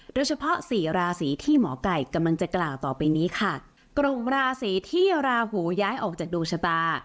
โดยเฉพาะสี่ราศีที่หมอไก่กำลังจะกล่าวต่อไปนี้ค่ะกลุ่มราศีที่ราหูย้ายออกจากดวงชะตา